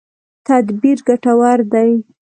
تدبیر ګټور دی.